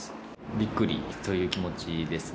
びっくりという気持ちですね。